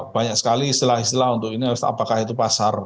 banyak sekali istilah istilah untuk ini apakah itu pasar